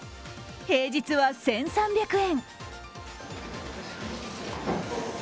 平日は１３００円。